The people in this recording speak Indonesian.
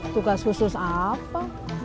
tugas khusus apa